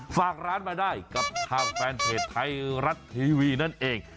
ฝากร้านมาได้กับทางแฟนเพจไทยรัฐทีวีนั่นเอง